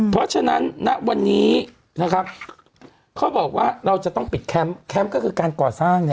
เพราะฉะนั้นณวันนี้นะครับเขาบอกว่าเราจะต้องปิดแคมป์แคมป์ก็คือการก่อสร้าง